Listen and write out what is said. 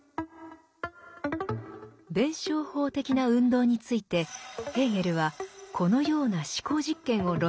弁証法的な運動についてヘーゲルはこのような思考実験を論じています。